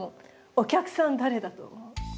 お客さん誰だと思う？